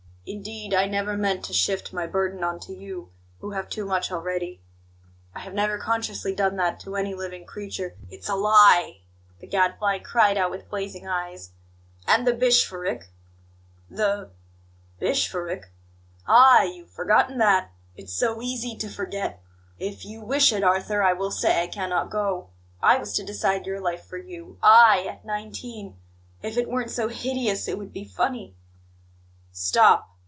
Indeed, I never meant to shift my burden on to you, who have too much already. I have never consciously done that to any living creature " "It's a lie!" the Gadfly cried out with blazing eyes. "And the bishopric?" "The bishopric?" "Ah! you've forgotten that? It's so easy to forget! 'If you wish it, Arthur, I will say I cannot go. I was to decide your life for you I, at nineteen! If it weren't so hideous, it would be funny." "Stop!"